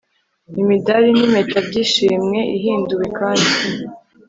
Imidari n Impeta by Ishimwe ihinduwe kandi